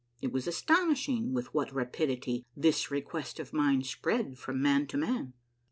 It was astonishing with what rapidity this request of mine spread from man to man.